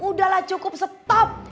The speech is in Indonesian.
udahlah cukup stop